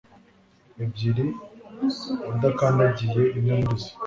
ebyiri udakandagiye imwe murizo.